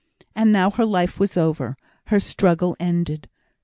And now her life was over! her struggle ended!